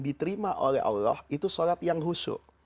diterima oleh allah itu sholat yang husu